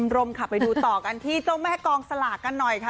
รมค่ะไปดูต่อกันที่เจ้าแม่กองสลากกันหน่อยค่ะ